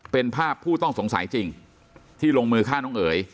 เป็นภาพผู้ต้องสงสัยจริงที่ลงมือฆ่าน้องเอ๋ย